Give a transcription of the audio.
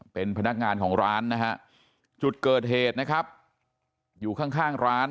เป็นพนักงานของร้านนะฮะจุดเกิดเหตุนะครับอยู่ข้างข้างร้าน